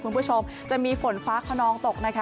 คุณผู้ชมจะมีฝนฟ้าคนนองตก